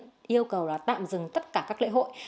và có công điện yêu cầu tạm dừng tất cả các lễ hội